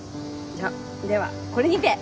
じゃあではこれにて！